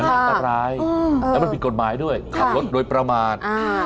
อันตรายแล้วมันผิดกฎหมายด้วยขับรถโดยประมาท